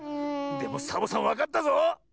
でもサボさんわかったぞ！